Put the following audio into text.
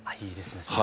いいですね